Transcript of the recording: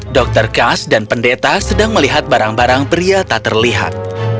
dokter kas dan pendeta sedang melihat barang barang pria tak terlihat